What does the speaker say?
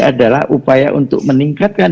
adalah upaya untuk meningkatkan